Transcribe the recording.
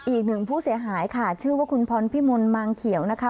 อีกหนึ่งผู้เสียหายค่ะชื่อว่าคุณพรพิมลมางเขียวนะคะ